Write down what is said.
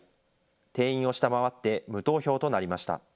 定員を下回って無投票となりました。